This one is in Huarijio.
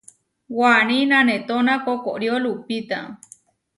Waní nanétona koʼkorió lupita.